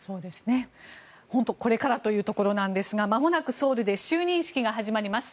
本当にこれからというところなんですがまもなくソウルで就任式が始まります。